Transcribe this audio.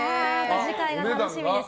次回が楽しみです。